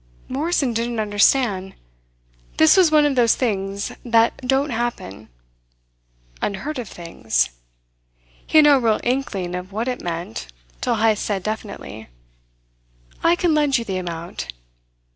Morrison didn't understand. This was one of those things that don't happen unheard of things. He had no real inkling of what it meant, till Heyst said definitely: "I can lend you the amount."